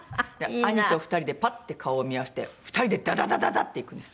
兄と２人でパッて顔を見合わせて２人でダダダダダッて行くんです。